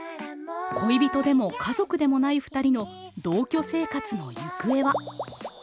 恋人でも家族でもないふたりの同居生活のゆくえは。